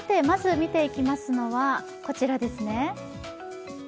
まず見ていきますのはこちらですね。